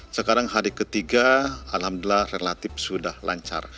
sekarang hari ke tiga alhamdulillah relatif sudah lancar